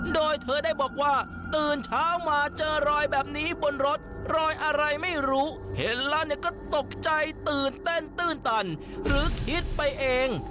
โดยเธอได้บอกว่าตื่นเช้ามาเจอรอยแบบนี้บนรถรอยอะไรไม่รู้เห็นแล้วก็ตกใจตื่นเต้นตื้นตันหรือคิดไปเอง